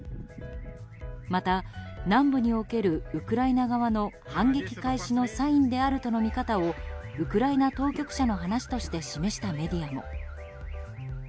また、南部におけるウクライナ側の反撃開始のサインであるとの見方をウクライナ当局者の話として示したメディアも。